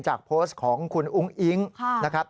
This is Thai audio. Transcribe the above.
จากโพสต์ของคุณอุ้งอิ๊งนะครับ